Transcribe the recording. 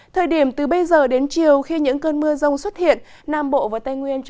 thời điểm từ bây giờ đến chiều khi những cơn mưa rông xuất hiện